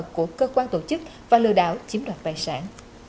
của cơ quan tổ chức và lừa đảo chiếm đoạt tài sản